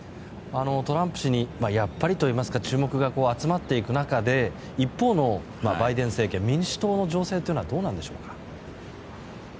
トランプ氏にやっぱりといいますか注目が集まっていく中で一方のバイデン政権民主党の情勢はどうなんでしょうか。